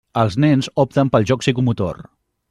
Els nens opten pel joc psicomotor.